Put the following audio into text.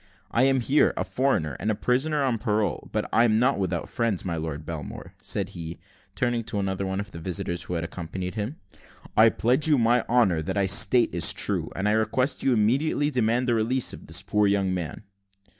I am here, a foreigner, and a prisoner on parole; but I am not without friends. My Lord Belmore," said he, turning to another of the visitors who had accompanied him, "I pledge you my honour that what I state is true; and I request you will immediately demand the release of this poor young man."